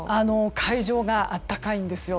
海上が暖かいんですよ。